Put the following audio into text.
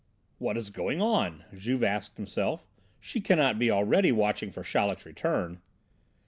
"What is going on?" Juve asked himself. "She cannot be already watching for Chaleck's return."